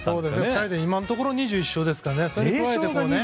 ２人で今のところ２１勝ですからね。